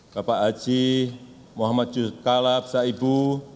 bapak haji muhammad juskalab saibu